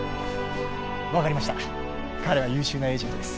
分かりました彼は優秀なエージェントです